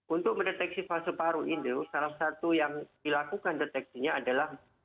untuk mendeteksi fase paru ini salah satu yang dilakukan deteksinya adalah